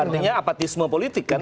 artinya apatisme politik kan